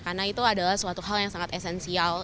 karena itu adalah suatu hal yang sangat esensial